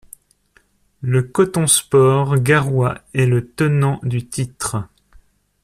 Le Cotonsport Garoua est le tenant du titre.